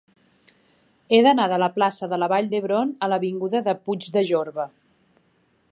He d'anar de la plaça de la Vall d'Hebron a l'avinguda de Puig de Jorba.